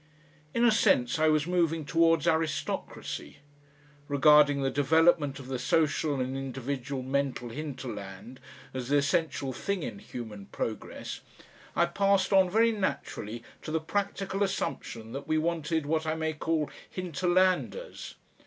In a sense I was moving towards aristocracy. Regarding the development of the social and individual mental hinterland as the essential thing in human progress, I passed on very naturally to the practical assumption that we wanted what I may call "hinterlanders."